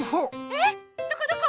えっどこどこ？